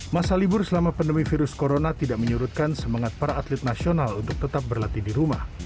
masa libur selama pandemi virus corona tidak menyurutkan semangat para atlet nasional untuk tetap berlatih di rumah